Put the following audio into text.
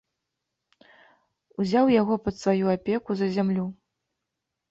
Узяў яго пад сваю апеку за зямлю.